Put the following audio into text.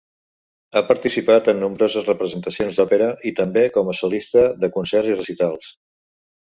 Ha participat en nombroses representacions d'òpera i també com a solista de concerts i recitals.